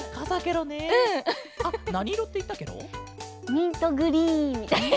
ミントグリーンみたいな。